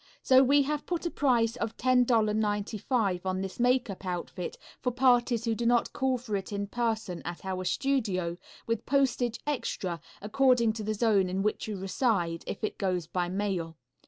So we have put a price of $10.95 on this makeup outfit for parties who do not call for it in person at our studio, with postage extra, according to the zone in which you reside, if it goes by mail.